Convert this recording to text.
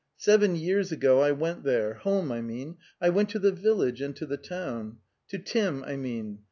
Seven years ago I went there— home, I mean. I went to the village and to the town. ... To Tim, I mean.